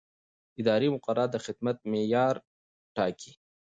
اداري مقررات د خدمت د معیار ټاکي.